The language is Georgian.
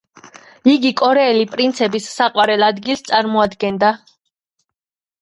იგი კორეელი პრინცების საყვარელი ადგილს წარმოადგნდა.